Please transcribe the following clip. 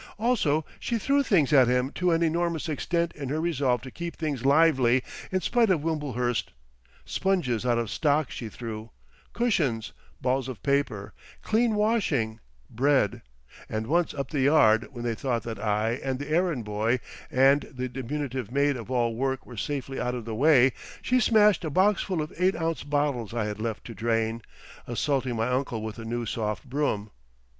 Also she threw things at him to an enormous extent in her resolve to keep things lively in spite of Wimblehurst; sponges out of stock she threw, cushions, balls of paper, clean washing, bread; and once up the yard when they thought that I and the errand boy and the diminutive maid of all work were safely out of the way, she smashed a boxful of eight ounce bottles I had left to drain, assaulting my uncle with a new soft broom.